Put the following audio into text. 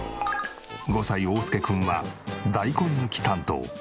５歳おうすけ君は大根抜き担当。